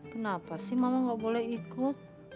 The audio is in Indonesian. kenapa sih mama gak boleh ikut